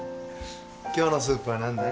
今日のスープは何だい？